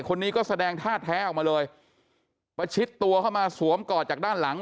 คนนี้ก็แสดงท่าแท้ออกมาเลยประชิดตัวเข้ามาสวมกอดจากด้านหลัง